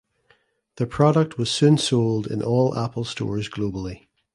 The product was soon sold in all Apple stores globally.